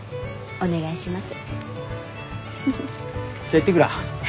お願いします。